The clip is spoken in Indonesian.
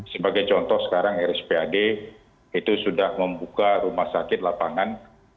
sebagai contoh sekarang rspad itu sudah membuka rumah sakit lapangan